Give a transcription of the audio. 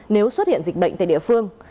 nếu xuất hiện dịch bệnh tại địa phương